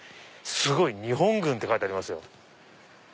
すごい！日本軍って書いてありますよ。